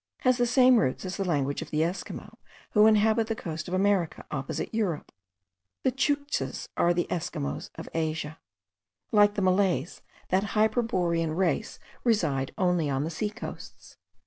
has the same roots as the language of the Esquimaux who inhabit the coast of America opposite to Europe. The Tschouktsches are the Esquimaux of Asia. Like the Malays, that hyperborean race reside only on the sea coasts.